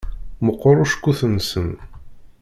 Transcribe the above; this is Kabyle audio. Meqqeṛ ucekkuḥ-nsen.